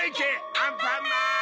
アンパンマン！